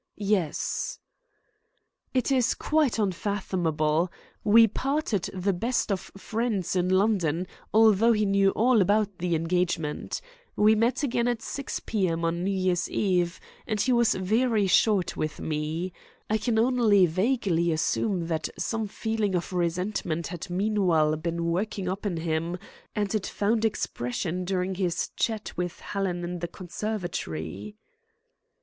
"Yes." "It is quite unfathomable. We parted the best of friends in London, although he knew all about the engagement. We met again at 6 p.m. on New Year's Eve, and he was very short with me. I can only vaguely assume that some feeling of resentment had meanwhile been working up in him, and it found expression during his chat with Helen in the conservatory."